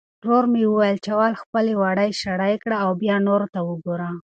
ورور مې وویل چې اول خپلې وړۍ شړۍ کړه او بیا نورو ته وګوره.